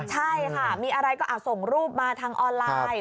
ใช่ค่ะมีอะไรก็ส่งรูปมาทางออนไลน์